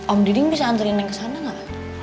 om diding bisa anterin neng kesana gak